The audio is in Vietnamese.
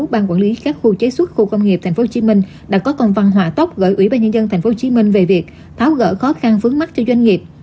ban quản lý các khu chế xuất khu công nghiệp tp hcm đã có công văn hỏa tốc gửi ủy ban nhân dân tp hcm về việc tháo gỡ khó khăn vướng mắt cho doanh nghiệp